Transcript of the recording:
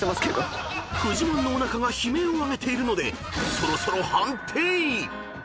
［フジモンのおなかが悲鳴を上げているのでそろそろ判定］